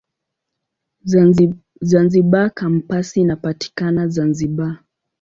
Zanzibar Kampasi inapatikana Zanzibar.